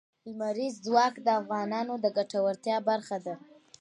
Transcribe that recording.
لمریز ځواک د افغانانو د ګټورتیا برخه ده.